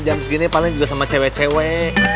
jam segini paling juga sama cewek cewek